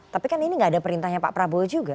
tapi kan ini nggak ada perintahnya pak prabowo juga